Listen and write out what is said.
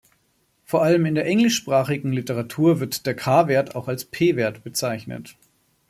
Vor allem in der englischsprachigen Literatur wird der "K"-Wert auch als P-Wert bezeichnet.